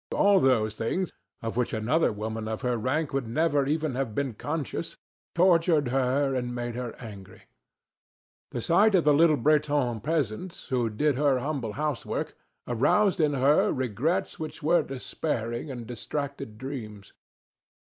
All those things, of which another woman of her rank would never even have been conscious, tortured her and made her angry. The sight of the little Breton peasant who did her humble housework aroused in her regrets which were despairing, and distracted dreams.